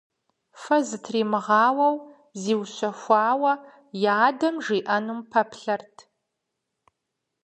Фэ зытримыгъауэу зиущэхуауэ и адэм жиӏэнум пэплъэрт.